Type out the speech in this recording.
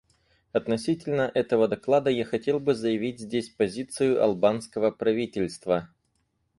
Относительно этого доклада я хотел бы заявить здесь позицию албанского правительства.